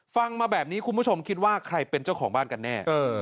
ฟังมาแบบนี้คุณผู้ชมคิดว่าใครเป็นเจ้าของบ้านกันแน่